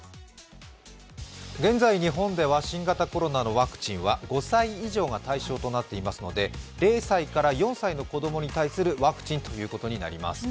現在、日本では新型コロナのワクチンは５歳以上が対象となっていますので０歳から４歳の子供に対するワクチンということになります。